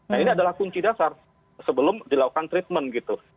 nah ini adalah kunci dasar sebelum dilakukan treatment gitu